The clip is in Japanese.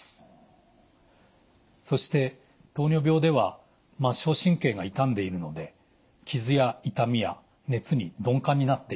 そして糖尿病では末梢神経が傷んでいるので傷や痛みや熱に鈍感になっています。